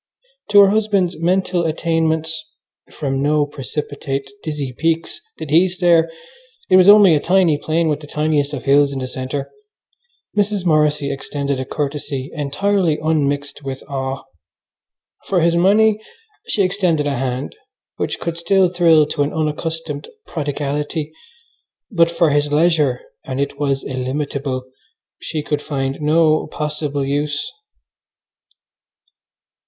To her husband's mental attainments (from no precipitate, dizzy peaks did he stare; it was only a tiny plain with the tiniest of hills in the centre) Mrs. Morrissy extended a courtesy entirely unmixed with awe. For his money she extended a hand which could still thrill to an unaccustomed prodigality, but for his leisure (and it was illimitable) she could find no possible use.